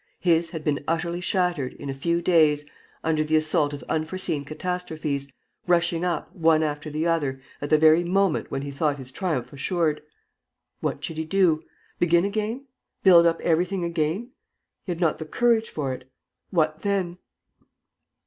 His had been utterly shattered, in a few days, under the assault of unforeseen catastrophes, rushing up, one after the other, at the very moment when he thought his triumph assured. What should he do? Begin again? Build up everything again? He had not the courage for it. What then?